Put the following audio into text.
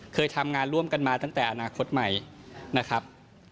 เคยทำงานร่วมกันมาตั้งแต่อนาคตใหม่นะครับ